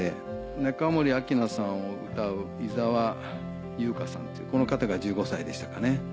中森明菜さんを歌う伊沢有香さんっていうこの方が１５歳でしたかね。